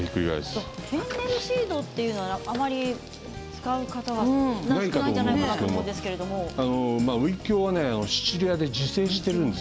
フェンネルシードというのはあまり使う方は、多くないんじゃういきょうはシチリアで自生しているんです。